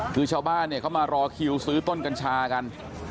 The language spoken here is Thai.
คือชาวบ้านเนี่ยเขามารอคิวซื้อต้นกัญชากัน